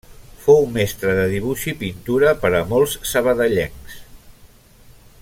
Fou mestre de dibuix i pintura per a molts sabadellencs.